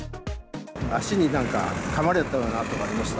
足になんかかまれたような痕がありました。